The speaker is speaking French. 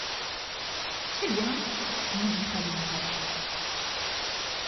C'est bien. N'en dites pas davantage.